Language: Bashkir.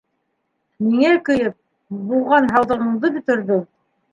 Миңә көйөп, буған һауҙығыңды бөтөрҙөң.